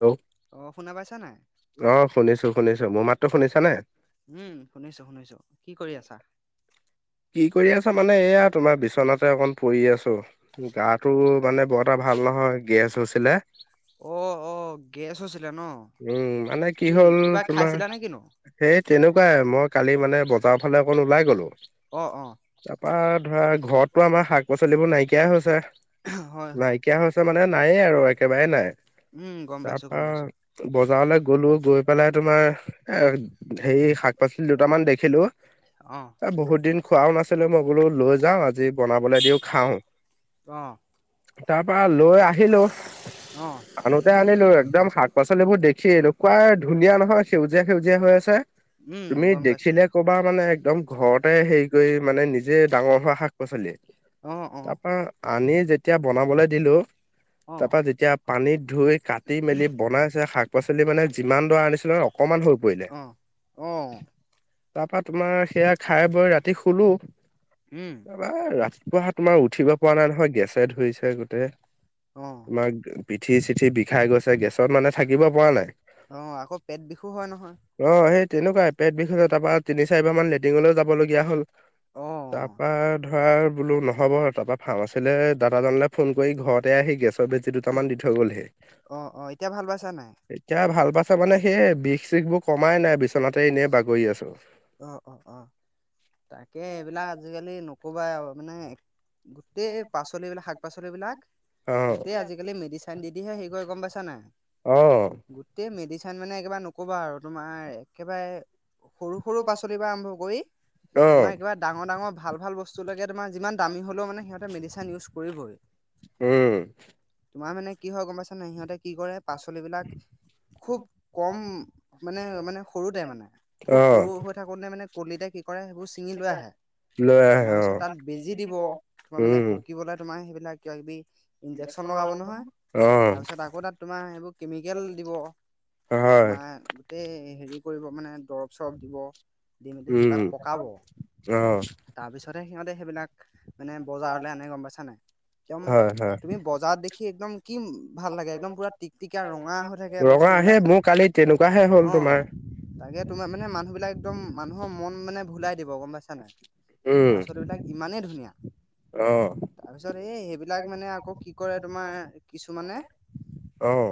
হেল অ শুনা পাইছা নাই? অ শুনিছো শুনিছো মোৰ মাত্ৰ শুনিছানে উম শুনিছো শুনিছো কি কৰি আছা কি কৰি আছা মানে এয়া তোমাৰ বিচনাতে অকন পৰি আছো গাটো মানে বৰ ত ভাল নহয় গেছ হৈ অ অ গেছ হৈছিলে ন? উ মানে কি হল কিবা তোমাৰ খাইছিলা নে কিনো? সেই তেনেকুৱাই মই কালি মানে বজাৰৰ ফালে অকণ ওলাই গ'লো অ অ তাৰাপা ধৰা ঘৰতটো আমাৰ শাক পাচলিবোৰ নাইকিয়াই হৈছে হয় হয় নাইকিয়া হৈছে মানে নায়ে আৰু একেবাৰেেই নাই উম গম তাৰ পাইছো গম পৰাা পাইছো বজাৰলৈ গলো গৈ পেলাই তোমাৰ এ হেৰি শাক পাচলি দুটামান দেখিলো। অ বহুত দিন খোৱাও নাছিলো মই বোলো লৈ যাও আজি বনাবলৈ দিও খাও অ তাৰ পৰাা লৈ আহিলো অ আনোতে আনিলো একদম শাক পাচলিবোৰ দেখিনেোুৱাই ধুনীয়া নহয় সেউজীয়া সেউজীয়া হৈ আছে উম তুমি গম পাইছো দেখিলে কবা মানে একদম ঘৰতে হেৰি কৰি মানে নিজে ডাঙৰ হোৱা শাক পাচলিয় অ অ তাৰ পৰাা আনি যেতিয়া বনাবলৈ দিলো অ তাৰ পৰাা যেতিয়া পানীত ধুই কাটি মেলি বনাইছে শাক পাচলি মানে যিমান দৰা আনিছিলো অক হৈ পৰিলে অ অ তাৰপা তোমাৰ সেয়া খাই বৈ ৰাতি শুলো উম তাৰপা ৰাতিপুৱা তোমাৰ উঠিব পৰা নাই নহয় গেছে ধুৰিছে গোটেই অ তোমাৰ পিঠি চিঠি বিষাই গৈছে গেছত মানে থাকিব পৰা নাই অ আকৌ পেট বিষো হয় নহয় অ সেই তেনেকুৱাই পেট বিষ তাৰপা তিনি চাৰিবাৰ মান লেট মটিঙলৈ যাব লগগীয়া হ'ল অ তাৰ পৰাা ধৰা বোলো নহ'ব তাৰপা ফাৰ্ম আছে আচে দাদাজনলৈ ফোন কৰি ঘৰতে আহি গেছৰ বেজি দুটামান দি থৈ গ'লহি অ অ এতিয়া ভাল পাইছা নাই এতিয়া ভাল পাইছে মানে সেই বিষ চষ বোৰ কমাই নাই বিচনাতে এনেই বাগৰি আছো অ অ তাকে এইবিলাক আজিকালি নকবাই আৰু মানে গোটেই পাচলিবলাক শাক পাচলিিবলাক অ গোটেই আজিকালি মেডিচিন দি দিহে সেই কৰি গম পাইছা নাই অ গোটেই মেডিচন মানে একেবাৰে নকবা আৰু তোমাৰ একেবাৰে সৰু সৰু পাচলিৰ পৰা আৰম্ভ কৰি অ তোমাৰ কিবা ডাঙৰ ডাঙৰ ভাল ভাল বস্তু লকে তোমাৰ যিমান দামী হ'লেও মানে সিহঁতে মেডিচিন ইউজ কৰিবই উম তোমাৰ মানে কি হয় গম পাইছাানে সিহঁতে কি কৰে পাচলিবিলাক খুব কম মানে মানে সৰুতোই মানে অ খুব সৰু হৈ থাকোতে মানে কলিতাই কি কৰে সেইবোৰ ছিঙি লৈ আহে লৈ আহে অনাৰ অ পিছত তাত বেজি দিব তোমাৰ মানে উম পকিবলৈ তোমাৰ সেইবাক ন কি ইনজেকশচন লগাব নহয় অ তাৰপিছত আকৌ তাত তোমাৰ সেইবোৰ কেমিকেল দিব হয় তোমাৰ গোটেই হেৰি কৰিব মানে দৰব চৰব দিব দি মেলি উম সেইবিলাক পকাব অ তাৰপিছতে সিহঁতে সেইবিলাক মানে বজাৰলৈ আনে গম পাইছা নাই একম হয় হয় তুমি বজাৰত দেখি একদম কি ভাল লাগে একদম পুৰা টিকটিকা ৰঙা হৈ থাকে অ বস্তু সেই মোৰ কালি তেনেকুৱাহে হ'ল তোমাৰ তাকে তোমাৰ মানে মানুহ বিিলাক একদম মানুহৰ মন মানে ভুলাই দিব গম পাইছা নাই উম পাছতবলাক ইমানেই ধুনীয়া অ তাৰপিছত এই সেইবাক এইলাক মানে আকৌ কি কৰে তোমাৰ কিছুমানে আহ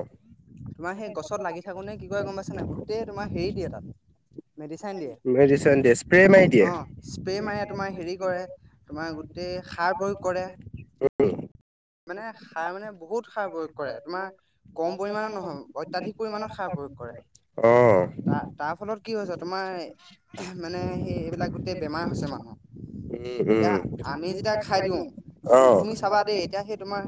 তোমাৰ সেই গছত লাগি থাকোনেে কি ক গম পাইছ নে গোটেই তোমাৰ হেৰি দিয়ে তাত ম মেডিচন দে স্প্ৰে মাইতিে স্প্ৰে মাৰে তোমাৰ হেৰি কৰে তোমাৰ গোটেই সাৰ প্ৰয়োগ কৰে। মানে সাৰ মানে বহুত সাৰ প্ৰয়োগ কৰে তোমাৰ কম পৰিমানৰ নহয় অত্যাধিক পৰিমানৰ সাৰ প্ৰয় প্ৰয়োগ কৰে। অ তাৰ তাৰ ফলত কি হৈছে তোমাৰ মানে সেই এইবিলাক গোটেই বেমাৰ হৈছে মানুহৰ। উম, এতিয়া উম, আমি যেতিয়া খাই দিওঁ অ', তু-তুমি চাবা দেই এতিয়া সেই তোমাৰ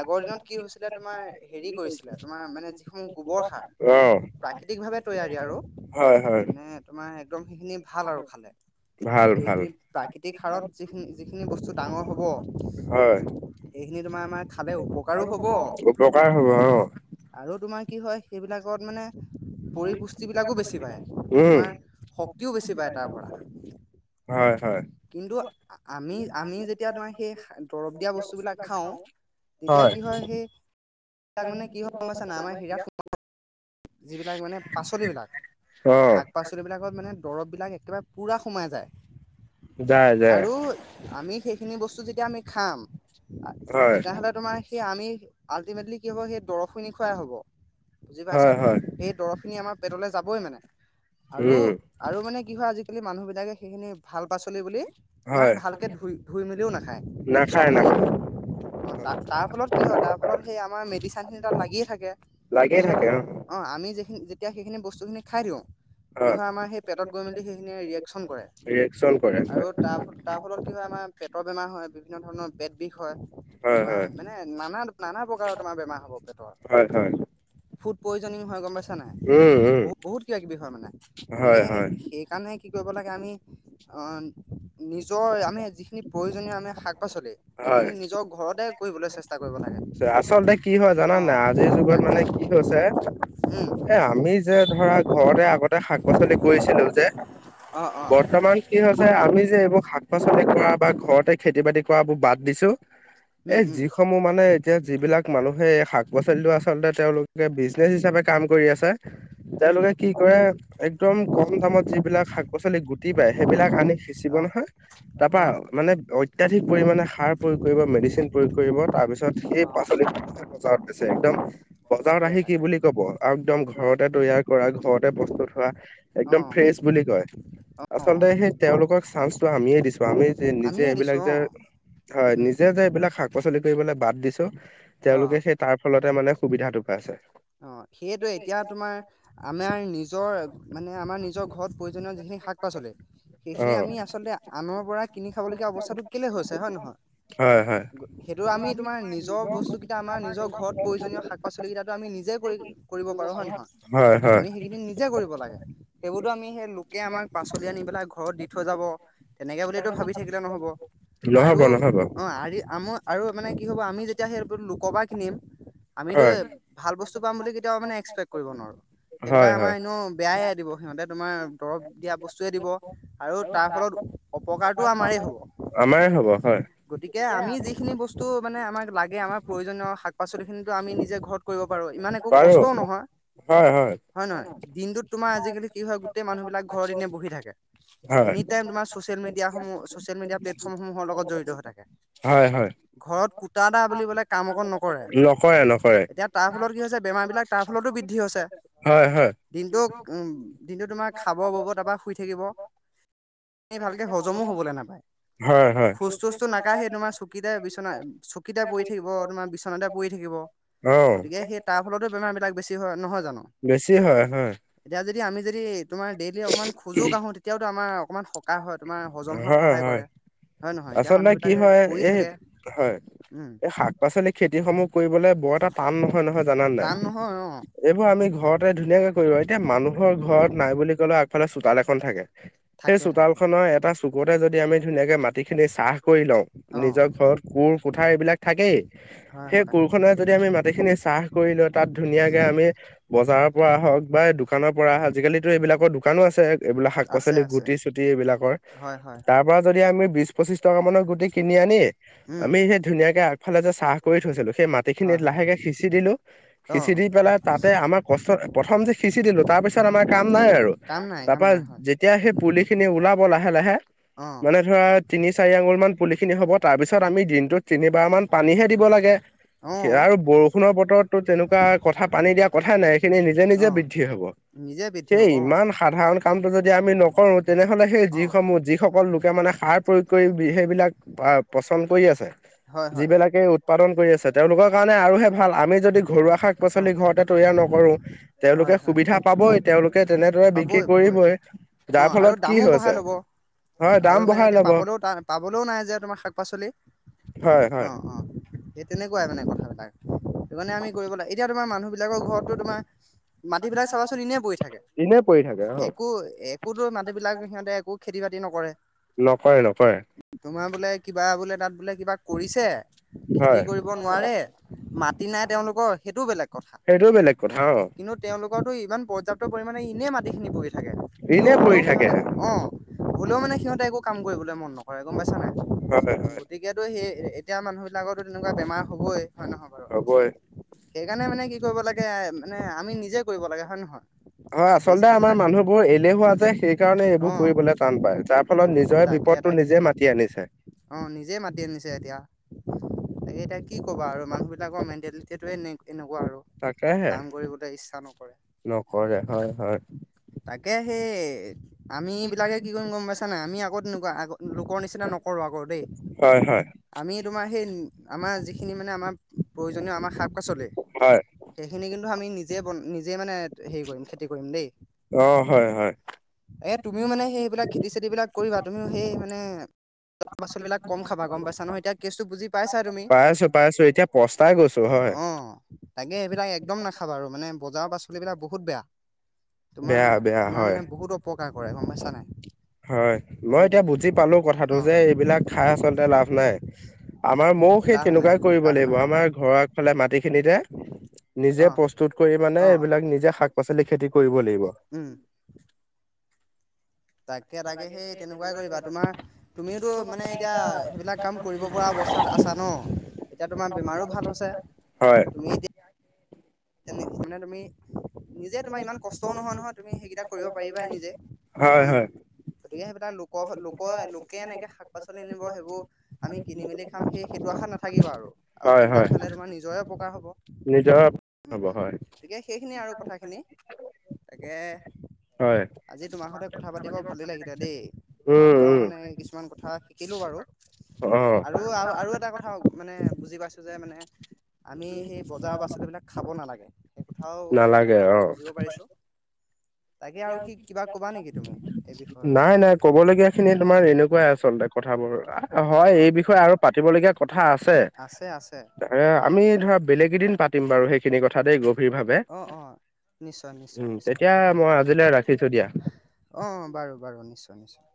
আগৰ দিনত কি হৈছিলে তোমাৰ হেৰি কৰিছিলে তোমাৰ মানে যিসমূহ গোবৰ সাৰ মানে অ', প্ৰাকৃতিক ভাৱে তৈয়াৰী আৰু হয়, হয়, মানে তোমাৰ একদম সেইখিনি ভাল আৰু খালে ভাল, ভাল, সেইখিনি প্ৰাকৃতিক সাৰত যিখিনি যিখিনি বস্তু ডাঙৰ হব হয়, এইখিনি তোমাৰ আমাৰ খালে উপকাৰো হব অপকাৰ হ'ব আৰু আৰু তোমাৰ কি হয় সেইবিলাকত মানে পৰিপুষ্টি বিলাকো বেছি পায় উম তোমাৰ শক্তিও বেছি পায় তাৰ পৰা হয় হয়, কিন্তু আমি আমি যেতিয়া তোমাৰ সেই দৰৱ দিয়া বস্তুবিলাক খাওঁ। তেতিয়া কি হয় সেই তাক মানে কি হয়াইছা না আমাৰ হিৰাত যিবিলাক মানে পাচলিবিলাক অ', শাক পাচলিবিলাকত মানে দৰববিলাক একেবাৰে পুৰা সোমাই যায় আৰু আমি সেইখিন নি বস্তু যেতিয়া আমি খাম, আ হয়, তেতিয়া হ'লে তোমাৰ সেই আমি আল্টিমেটলি কি হ'ব সেই দৰৱখিনি খুৱাই হ'ব বুজি হয়, পাইছা। হয়, সেই দৰৱখিনি আমাৰ পেটলে যাবই মানে আৰু উম, আৰু মানে কি হয় আজি মানুহবিলাকে সেইখিনি ভাল পাচলি বুলি ইমান হয়, ভালকৈ ধুই ধুই মেলিও নাখায় নাখায়, চফা নাখায়, নকৰে। অ ত তাৰ ফলত কি হয় তাৰ ফলত সেই আমাৰ মেডিচিনখিনি তাত লাগিয়ে থাকে লাগি পিছত থাকে অ', অ আমি যিখিনি যেতিয়া সেইখিনি বস্তুখিনি খাই দিওঁ কি হয় আমাৰ সেই পেটত গৈ মেলি সেইখিনিয়ে ৰিয়েকচন কৰে। ৰিয়েকচন কৰে, আৰু তাৰ তাৰ ফলত কি হয় আমাৰ পেটৰ বেমাৰ হয় বিভিন্ন ধৰণৰ পেত বিষ হয়। হয়, তোমাৰ হয়, মানে নানা নানা প্ৰকাৰৰ তোমাৰ বেমাৰ হ'ব পেটৰ হয়, হয়, হয়, ফুট পয়জনিং হয় গম পাইছ চা নাই উম, উম, বহুত বহুত কিবা কিবি হয় মানে হয়, গতিকে হয়, সেইকাৰণে কি কৰিব লাগে আমি অ নিজৰ আমি যিখিনি প্ৰয়োজনীয় আমি শাক পাচলি হয়, সেইখিনি নিজৰ ঘৰতে কৰিবলৈ চেষ্ট আচলতে কি হয় জানানে আজিৰ যুগত তাকে মানে কি হৈছে উম এ আমি যে ধৰা ঘৰতে আগতে শাক পাচলি কৰিছিলো যে অ অ বৰ্তমান কি হৈছে আমি যে এইবো শাক পাচলি কৰা বা ঘৰতে খেতি বাতি কৰা বো বাদ দিছো। উম এই উম যিসমূহ মানে যে যিবিলাক মানুহে এই শাক-পাচলিটো আচলতে তেওঁলোকে বিজনেছ হিচাপে কাম কৰি আছে। উম তেওঁলোকে কি কৰে একদম কম দামত যিবিলাক শাক-পাচলি গুটি পাই সেইবিলাক আনি সিঁচিব অ নহয় তা পা অ মানে অত ত্যাধিক পৰিমাণে সাৰ প্ৰয়োগ কৰিব মেডিচিন প্ৰয়োগ কৰিব তাৰপিছত সেই অ পাচলি [inaudible] বজাৰত বেছে, একদম বজাৰত তাকে আহি কি তাকে বুলি কব আৰু একদম অ ঘৰতে তৈয়াৰ কৰা ঘৰতে প্ৰস্তুত হোৱা অ একদম ফ্ৰেছ বুলি কয়, অ আচলতে সেই তেওঁলোকক চাঞ্চটো আমিয়ে দিছো আমি যে নিজে আমিয়ে এইবিলাক দিছো অ যে হয় উম নিজে যে এইবিলাক শাক পাচলি কৰিবলে বাদ দিছো অ তেওঁলোকে সেই তাৰ ফলতে মানে সুবিধাটো পাইছে। অ সেইটোৱে, এতিয়া তোমাৰ আমাৰ নিজৰ মানে আমাৰ নিজৰ ঘৰত প্ৰয়োজনীয় যি শাক পাচলি অ সেইখিনি আমি আচলতে আনৰ পৰা কিনি খাবলগীয়া অৱস্থাটো কেলে হৈছে, হয় নহয়? হয় হয় সেইটো আমি তোমাৰ [inaudible] নিজৰ বস্তু কেইটা আমাৰ নিজৰ ঘৰত প্ৰয়োজনীয় শাক পাচলি কেইটাটো আমি নিজ নিজে কৰি কৰিব পাৰো, হয় নহয়? হয় হয় আমি সেইখিনি নিজে কৰিব লাগে সেইবোৰতো আমি সেই লোকে আমাক পাচলি আনি পেলাই ঘৰত দি থৈ যাব তেনেকে বুলো ভাবি থাকিলে নহব নহ'ব আৰু নহ'ব অ আৰি আম আৰু মানে কি হ'ব আমি যেতিয়া সেই লুোকবা কিনিম আমিতো হয় ভাল বস্তু পাম বুলি কেতিও মানে এক্সেক কৰিব নোৱাৰো হয় সেইবিলাক আমাৰ হয় এনেও বেয়াইে দিব সিহঁতে তোমাৰ দৰব দিয়া বস্তুৱয়ে দিব আৰু তাৰ ফলত অপকাৰতটো আমাৰ হ'ব আমাৰে হক গতিকে আমি যিখিনি বস্তু মানে আমাক লাগে আমাৰ প্ৰয়োজনীয় শাক পাচলি খিনি আমি নিজে ঘৰত কৰিব পাৰো ইমান একো বাৰু কষ্টও নহয়। হয় নহয়? দিনটোত তোমাৰ আজিকালি কি হয় গোটেই মানুহ বিলাক ঘৰৰ এনেই বহি থাকে, হয় এনি টাইম তোমাৰ ছচিয়েল মিডিয়া সমূহ, চচিয়েল মিডিয়া প্লেটফৰ্ম সমূহৰ লগত জড়িত হৈ থাকে। হয় হয় ঘৰত কুটা এটা বুলিবলে কাম অকণ নকৰে। ক নক এতিয়া তাৰ ফলত কি হৈছে বেমাৰ বিলাক তাৰ ফলতো বৃদ্ধি হৈছে হয় হয় দিনটো উম দিনটো তোমাৰ খাব বব তাৰপৰা শুই থাকিব ভালকে হজমো হবলৈ নাপায় হয় হয় খোজ তোজটোো নাকায় সি তোমাৰ চকীতে বিচনা চকীতে পৰি থাকিব তোমাৰ বিচনাতে পৰি থাকিব অ গতিকে সেই তাৰ ফলতো বেমাৰ বিলাক বেছি হয় নহয় জানো বেছি হয় হয় এতি যদি আমি যদি তোমাৰ ডেইলি অকণমান খোজো কঢ়ো তেতিয়াওো আমাৰ অকণমান সকাহ হয় তোমাৰ হজম হোৱত হয় সহায় হয় কৰে হয় নহয় এতিয়া মানুহ আচলতে কি বিলাকে হয় পৰি এই থাকে হয় উম এই শাক পাচলি খেতি সমূহ কৰিবলে বৰ এটা টান নহয় নহয় জান নাই টান নহয় অ এইবোৰ আমি ঘৰতে ধুনীয়াকে কৰিব এতিয়া মানুহৰ ঘৰত নাই বুলি কলেও আগফালে চোতাল এখন থাকে হয় সেই থাকে চোতাল থাকে। খনৰ এটা চুকুতে যদি আমি ধুনীয়াকে মাটিখিনি চাহ কৰি লওঁ অ নিজৰ ঘৰত কোৰ কুঠাৰ এইবিলাক থাকেই হয় সেই হয় কোৰখত যদি আমি মাটিখিনি চাহ কৰি লওঁ তাত ধুনীয়াকে আমি বজাৰৰ পৰা হওক বা দোকানৰ পৰা আজিকালিিতো এইবিলাক ানাক শ আছে আছে গুিবাক হয় হয় তাৰ পৰা য প টকা মানৰ গুটি কিনি আনি উম আমি সেই ধুনীয়াকে আগফালে যে চাহ কৰি থৈছিলো সেই হয় মাটিখিনিত হয় লাহেকে সিঁচি দিলো অ সিঁচি দি পেলাই তাতে আমাৰ কষ্ট প্ৰথম যে সিচি দিলো তাৰ পিছত অ আমাৰ কাম নাই আৰু কাম নাই কাম তাৰপা নাই হয় যেতিয়া সেই পুলি খিনি ওলাব লাহে লাহে অ মানে ধৰা তিনি চাৰি আঙুল মান পুলি খিনি হ'ব তাৰ পিছত আমি দিনটোত তিনিবাৰ মান পানীহে দিব ল অ', আৰু বৰষুণৰ বতৰতো তেনেকুৱা কথা পানী দিয়া কথাই নাই সেইখিনি নিজে নিজে অ', হব নিজে বৃদ্ধি সেই হ'ব অ', ইমান সাধাৰণ কাম যদি আমি নকৰো তেনেহলে সেই অ', যিসমূহ যি কৃসকল লোকে মানে সাৰ প্ৰয়োগ কৰি সেইবিলাক পচন্দ কৰি আছে হয়, হয়, যিবিলাকে উৎপাদন কৰি আছে তেওঁলোকৰ কাৰণে আৰুহে ভাল আমি যদি ঘৰুৱা শাক পাচলি অ', ঘৰতে তৈয়াৰ নকৰোঁ হয়, তেওঁলোকে হয়, সুবিধা পাব। হাবই তেওঁলোকে তেনেদৰে বিক্ৰী পাবই, পাবই কৰিবই যাৰ অ', আৰু ফলত কি দামো বঢ়াই হৈছে? ল'ব হয় আৰু দাম মানে বঢ়াই এতিয়া লব পাবলৈও পাবলৈও নাই যে তোমাৰ শাক পাচলি। হয় অ হয় অ সেই তেনেক। মানে কথাবিলাক সেইকাৰণে আমি কৰিব লাগে এতিয়া তোমাৰ মানুহ বিলাকৰ ঘৰতো তোমাৰ। মাটিবিলাক চাবাচোন এনেই পৰি থাকে এনে পৰি থাকে অ একো একোতো মাটিবিলাক সিহঁতে একো। খেতি বাতি নকৰে নকৰে নকৰে তোমাৰ বোলে কিবা বোলে তাত বোলে কিবা কৰিছে। হয়। মাতি নাই তেওঁলোকৰ সেইটো বেলেগ কথা সেইটোও বেলেগ কথা অ কিন্তু [inaudible] তেওঁলোকৰো ইমান পৰ্যাপ্ত পৰিমমানে ইনে মাটিখিনি বহি থাকে কিন্তু এনে হলেও পৰি থাকে সিহঁতে অ। হ'লেও মানে সিহঁতে একো কাম কৰিবলৈ মন নকৰে গমাইছ নাই হয় হয়। গতিকেতো সেই এতিয়া মানুহ বিিলাকৰো তেনেকুৱা বেমাৰ হবই হয় নহয় বাৰু হ'বই সেইকাৰণে মানে কি কৰিব লাগে? মানে আমি নিজে কৰিব লাগে হয়ে নহয়। হয় খেতি আচলতে চেতি আমাৰ বিলাক মানুহবোৰ এলেহুৱা যে সেই কাৰণে এইবোৰ অ' কৰিবলে টান পায় যাৰ ফলত নিজৰে বি তাকে পদটো তাকে নিজে মাতি আনিছে। অ নিজে মাতি আনিছে এতিয়া। তাকে এতিয়া কি কবা আৰু মানুহবিলাকৰ মেণ্টেলিটোৱে এনে এনেকুৱা আৰু তাকেহে কাম কৰিবলৈ ইচ্ছা নকৰে, নকৰে হয় হয় তাকে সেই আমি এই বিলাকে কি কৰিম গম পাইছা নাই, আমি আকৌ তেনেকুৱা আগ লোকৰ নিচিনা নকৰো আকৌ দেই। হয় হয় আমি তোমাৰ সেই- আমাৰ যিখিনি মানে আমাৰ প্ৰয়োজনীয় আমাৰ শাক পাচলি হয় সেইখিনি কিন্তু আমি নিজে- মানে হেৰি কৰিম খেতি কৰিম দেই। অ হয় হয় এয়া তুমিও মানে সেইবিলাক খেতি চেতি বিলাক কৰিবা তুমিও সেই মানে- পাচলবাক ক খাবা গম পাইছা নহয় এতিয়া কেছটো বুজি। অ পাই আছো পাই আছো এতিয়া পস্তাই গৈছো হয় তাগে সবিলাক একদম নাখাবা আৰু মানে- বজাৰৰ পাচলিবলাক বহুত বেয়া তোমাৰ বেয়া বেয়া তোমাৰ হয় মানে বহুত অপকাৰ কৰে। আছা নাই? হয়, মই গতিকে এতিয়া বুজি পালোঁ কথাটো অ', যে, এইবিলাক খাই আচলতে লাভ নাই। আমাৰ ময়ো সেই লাভ নাই তেনেকুৱাই কৰিব লাভ লাগিব, নাই অ', আমাৰ ঘৰৰ আগফালে মাটিখিনিত নিজে অ'। প্ৰস্তুত কৰি মানে অ', এইবিলাক নিজে শাক, পাচলি খেতি কৰিব লাগিব। উম, তাকে, তাকে, সেই তেনেকুৱাই কৰিবা, তোমাৰ তুমিওতো মানে এতিয়া সেইবিলাক কাম কৰিব পৰা অৱ আছা ন? এতিয়া তোমাৰ বেমাৰো ভাল হৈছে। হয় তুমি এতিয়া এনে [unintelligible] তুমি নিজে তোমাৰ ইমান কষ্টও নহয়, নহয়, তুমি সেইকেইটা কৰিব পাৰিবা নিজে হয়, নহয়? গতিকে সেইবিলাক লোকৰ, লোকৰ-লোকে এনেকে শাক, পাচলি আনিব, সেইবোৰ আমি কিনি, মেলি খাম সেই, সেইটো আশা নাথাকিবা আৰু, আৰু হয় হয় সেইবিলাক খালে তোমাৰ নিজৰে অপকাৰ হ'ব। নিজৰ উম, হ'ব উম, হয় গতিকে সেইখিনিয়ে আৰু কথাখিনি। তাকে হয় আজি তোমাৰ সতে কথা পাতিব ভালেই লাগিলে দেই, তোমাৰ উম পৰাও উম মানে কিছুমান কথা শিকিলোঁ বাৰু। অ আৰু, আৰু, আৰু, এটা কথা মানে বুজি পাইছোঁ যে, মানে আমি সেই বজাৰৰ পাচলিবিলাক খাব নালাগে। সেই কথাও মানে নালাগে অ ভালকে বুজিব পাৰিছোঁ। তাকে, আৰু কি, কিবা ক'বা নেকি তুমি? এই বিষয়ত? নাই, নাই, ক'ব লগীয়াখিনি তোমাৰ এনেকুৱাই আচলতে কথাবোৰ অ', হয়, এই অ', বিষয়ে আৰু পাতিব ল গীয়া কথা আছে, আছে আছে আমি ধৰা বেলেগ এদিন পাতিম বাৰু সেই সেইখিনি কথা দেই গভীৰভাৱে অ', অ'। নিশ্চয় নিশ্চয় উম, নিশ্চয় তেতিয়া মই আজিলৈ ৰাখিছোঁ দিয়া। অ', বাৰু, বাৰু, নিশ্চয়, নিশ্চয়!